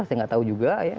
saya nggak tahu juga ya